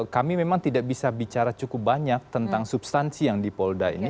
kami memang tidak bisa bicara cukup banyak tentang substansi yang di polda ini